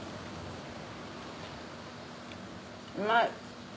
うまい！